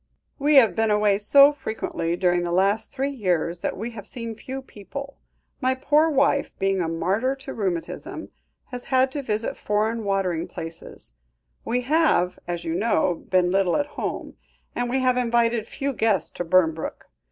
"We have been away so frequently during the last three years that we have seen few people. My poor wife being a martyr to rheumatism, has had to visit foreign watering places; we have, as you know, been little at home, and we have invited few guests to Burnbrooke.